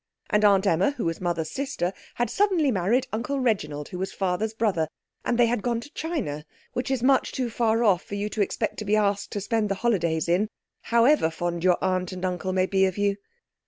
And Aunt Emma, who was Mother's sister, had suddenly married Uncle Reginald, who was Father's brother, and they had gone to China, which is much too far off for you to expect to be asked to spend the holidays in, however fond your aunt and uncle may be of you.